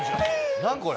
何これ。